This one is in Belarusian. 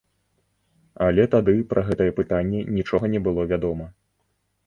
Але тады пра гэтае пытанне нічога не было вядома.